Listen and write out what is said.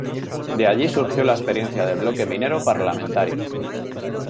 De allí surgió la experiencia del Bloque Minero Parlamentario.